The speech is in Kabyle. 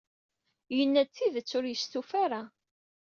Yenna-d tidet, ur yestufi ara.